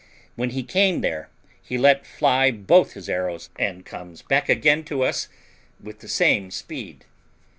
When he came there, he let fly both his arrows, and comes back again to us with the same speed.